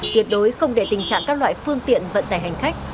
tuyệt đối không để tình trạng các loại phương tiện vận tải hành khách